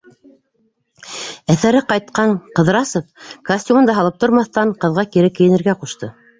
...Әҫәре ҡайтҡан Ҡыҙрасов, костюмын да һалып тормаҫтан, ҡыҙға кире кейенергә ҡушты.